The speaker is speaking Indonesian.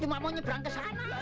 cuma mau nyebrang ke sana